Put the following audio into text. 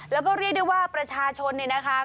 แล้วก็เรียกได้ว่าประชาชนเนี่ยนะคะ